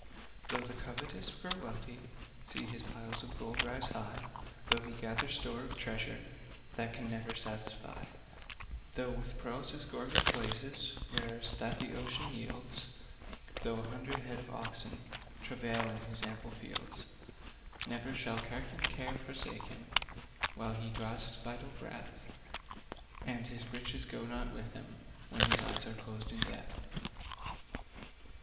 Though the covetous grown wealthy See his piles of gold rise high; Though he gather store of treasure That can never satisfy; Though with pearls his gorget blazes, Rarest that the ocean yields; Though a hundred head of oxen Travail in his ample fields; Ne'er shall carking care forsake him While he draws this vital breath, And his riches go not with him, When his eyes are closed in death.